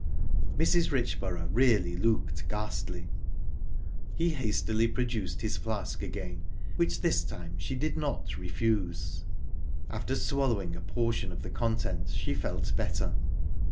Mrs. Richborough really looked ghastly. He hastily produced his flask again, which this time she did not refuse. After swallowing a portion of the contents she felt better.